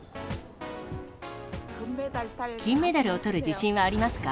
金メダルをとる自信はありますか？